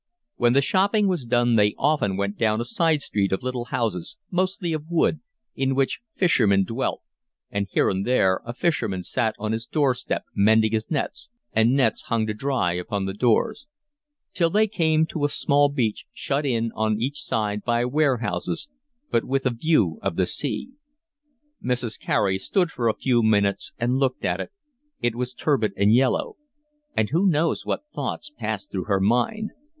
When the shopping was done they often went down a side street of little houses, mostly of wood, in which fishermen dwelt (and here and there a fisherman sat on his doorstep mending his nets, and nets hung to dry upon the doors), till they came to a small beach, shut in on each side by warehouses, but with a view of the sea. Mrs. Carey stood for a few minutes and looked at it, it was turbid and yellow, [and who knows what thoughts passed through her mind?